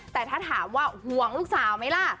แต่ถ้าถามว่าห่วงลูกสาวไหมล่ะ